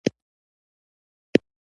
د یو جسم وزن د ځمکې پر مخ څومره دی؟